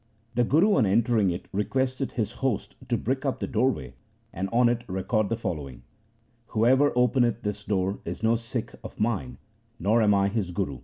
The Guru on entering it requested his host to brick up the doorway and on it record the follow ing :' Whoever openeth this door is no Sikh of mine, nor am I his Guru.'